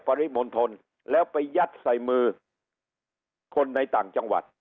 ปริมณฑลแล้วไปยัดใส่มือคนในต่างจังหวัด